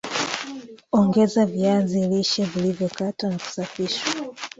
Ongeza viazi lishe vilivyokatwa na kusafishwa